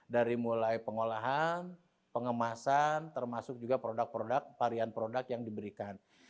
dari mulai pengolahan pengemasan termasuk juga produk produk varian produk yang diberikan